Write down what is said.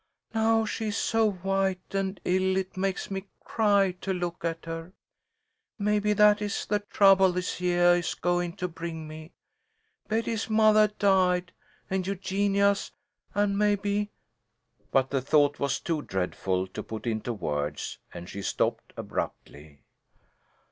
"Now she's so white and ill it makes me cry to look at her. Maybe that is the trouble this yeah is goin' to bring me. Betty's mothah died, and Eugenia's, and maybe" but the thought was too dreadful to put into words, and she stopped abruptly.